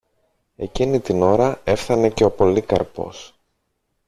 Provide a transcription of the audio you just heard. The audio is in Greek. Εκείνη την ώρα έφθανε και ο Πολύκαρπος.